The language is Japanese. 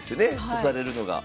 指されるのが。